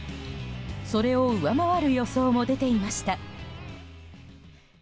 それを上回る予想も出ていました。